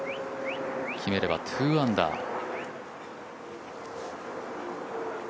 決めれば２アンダー。